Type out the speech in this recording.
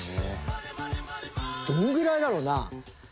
どのぐらいだろうな。